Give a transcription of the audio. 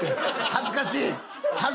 恥ずかしい！